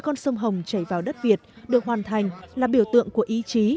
con sông hồng chảy vào đất việt được hoàn thành là biểu tượng của ý chí